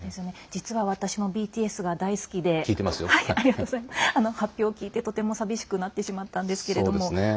実は私もＢＴＳが大好きで発表を聞いてとても寂しくなってしまったんですけれども。